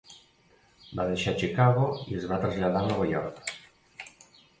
Va deixar Chicago i es va traslladar a Nova York.